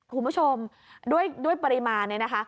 คุณผู้ชมด้วยปริมาณเนี่ยนะคะ